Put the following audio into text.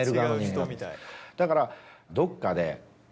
だからどっかで。